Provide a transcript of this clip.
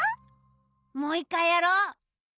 もう１かいやろう！